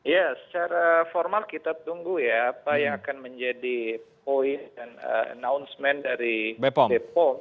ya secara formal kita tunggu ya apa yang akan menjadi poin dan announcement dari bepom